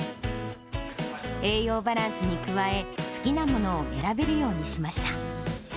栄養バランスに加え、好きなものを選べるようにしました。